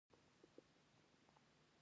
یعقوب ماتې وخوړه او په شا شو.